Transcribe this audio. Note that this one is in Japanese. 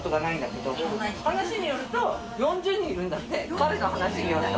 彼の話によると。